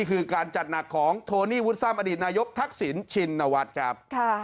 คือการจัดหนักของโทนี่วุฒษามอนทักศิลชิ่นนวัดครับ